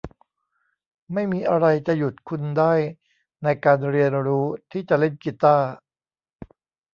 ไม่มีอะไรจะหยุดคุณได้ในการเรียนรู้ที่จะเล่นกีตาร์